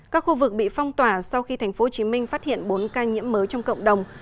các khu vực bị phong tỏa sau khi tp hcm phát hiện bốn ca nhiễm mới trong cộng đồng